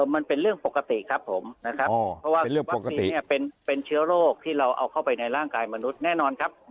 มันเป็นเรื่องปกติครับผมเพราะว่าเป็นเชื้อโรคที่เราเอาเข้าไปในร่างกายมนุษย์แน่นอนครับ